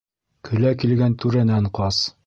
Көлә килгән түрәнән ҡас.